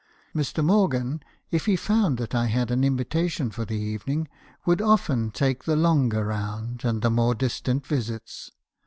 Mr. Morgan, if he found that I had an invitation for the evening, would often take the longer round, and the more distant visits.